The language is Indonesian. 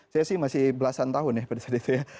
saya sih masih belasan tahun ya pada saat itu ya